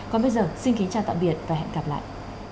còn bây giờ xin kính chào tạm biệt và hẹn gặp lại